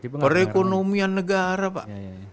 perekonomian negara pak